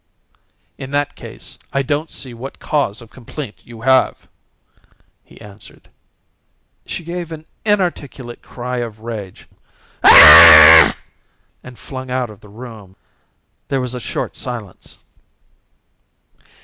"In that case I don't see what cause of complaint you have," he answered. She gave an inarticulate cry of rage and flung out of the room. There was a short silence.